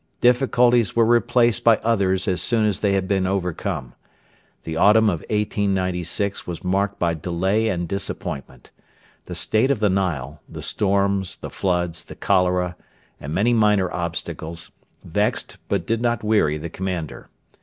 Difficulties were replaced by others as soon as they had been overcome. The autumn of 1896 was marked by delay and disappointment. The state of the Nile, the storms, the floods, the cholera, and many minor obstacles, vexed but did not weary the commander.